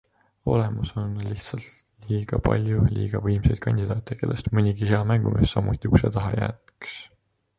Olemas on lihtsalt liiga palju liiga võimsaid kandidaate, kellest mõnigi hea mängumees samuti ukse taha jääks.